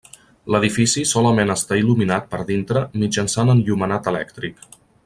L'edifici solament està il·luminat per dintre mitjançant enllumenat elèctric.